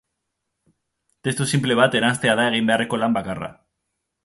Testu sinple bat eranstea da egin beharreko lan bakarra.